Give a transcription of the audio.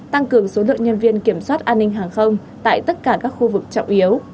tăng cường số lượng nhân viên kiểm soát an ninh hàng không tại tất cả các khu vực trọng yếu